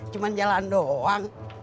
cuma jalan doang